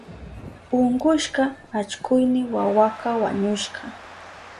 Unkushka allkuyni wawaka wañushka.